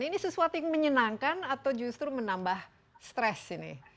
ini sesuatu yang menyenangkan atau justru menambah stres ini